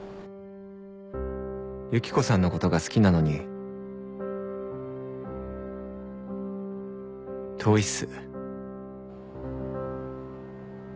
ユキコさんのことが好きなのに遠いっす